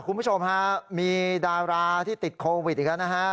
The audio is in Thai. คุณผู้ชมฮะมีดาราที่ติดโควิดอีกแล้วนะฮะ